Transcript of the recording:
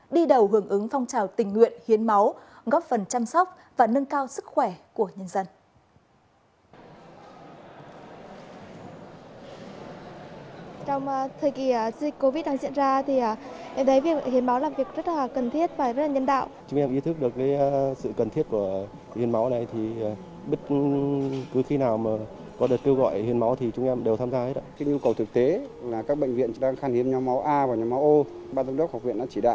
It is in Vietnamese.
đi đầu hưởng ứng phong trào tình nguyện hiến máu góp phần chăm sóc và nâng cao sức khỏe của nhân dân